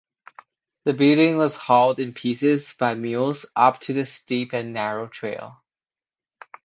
The building was hauled in pieces by mules up the steep and narrow trail.